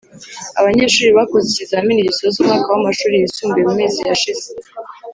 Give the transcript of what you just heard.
Abanyeshuri bakoze ikizamini gisoza umwaka wamashuri yisumbuye mumezi yashize